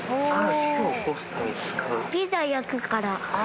ピザ焼くから。